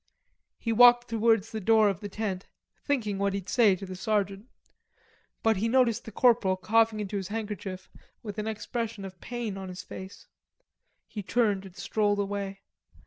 He walked towards the door of the tent, thinking what he'd say to the sergeant. But he noticed the corporal coughing into his handkerchief with an expression of pain on his face. He turned and strolled away.